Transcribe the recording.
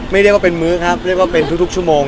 เรียกว่าเป็นมื้อครับเรียกว่าเป็นทุกชั่วโมง